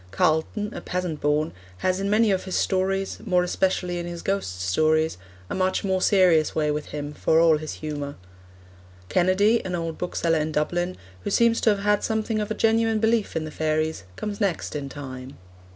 Carleton, a peasant born, has in many of his stories, ... more especially in his ghost stories, a much more serious way with him, for all his humour. Kennedy, an old bookseller in Dublin, who seems to have had a something of genuine belief in the fairies, comes next in time.